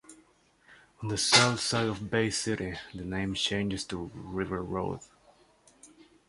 On the south side of Bay City, the name changes to River Road.